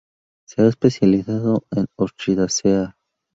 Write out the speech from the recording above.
Se ha especializado en Orchidaceae.